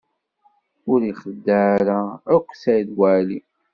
Ur ixeddeɛ ara akk Saɛid Waɛli.